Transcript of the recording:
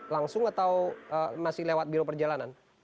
langsung atau masih lewat biro perjalanan